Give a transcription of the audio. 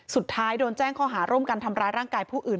สุดท้ายโดนแจ้งข้อหาร่วมกันทำร้ายร่างกายผู้อื่น